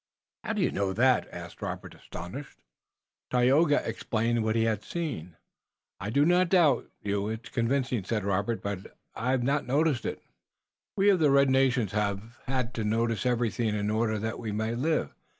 "How do you know that?" asked Robert, astonished. Tayoga explained what he had seen. "I do not doubt you. It's convincing," said Robert, "but I'd not have noticed it." "We of the red nations have had to notice everything in order that we might live.